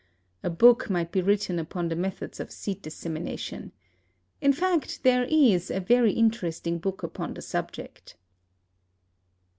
A book might be written upon the methods of seed dissemination. In fact, there is a very interesting book upon the subject.